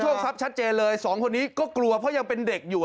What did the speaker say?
ทรัพย์ชัดเจนเลยสองคนนี้ก็กลัวเพราะยังเป็นเด็กอยู่